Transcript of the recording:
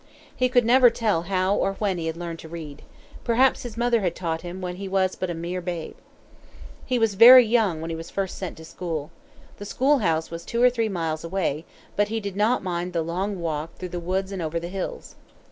He could never tell how or when he had learned to read. Perhaps his mother had taught him when he was but a mere babe. He was very young when he was first sent to school. The school house was two or three miles away, but he did not mind the long walk through the woods and over the hills.